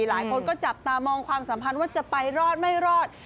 หลายคนก็จับตามองความสัมพันธ์ว่าจะไปรอดไม่รอด